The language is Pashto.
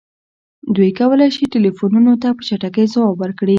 دوی کولی شي ټیلیفونونو ته په چټکۍ ځواب ورکړي